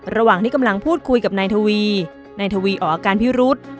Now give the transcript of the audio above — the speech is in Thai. ระหว่างที่กำลังพูดคุยกับนายทวีนายทวีอ๋อการพิรุษ